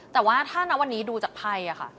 แต่ว่าถ้าณวันนี้ดูจากไพ่ค่ะ